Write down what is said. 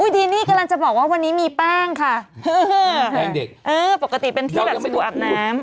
ดีนี่กำลังจะบอกว่าวันนี้มีแป้งค่ะแป้งเด็กเออปกติเป็นที่แบบเราไปดูอาบน้ำ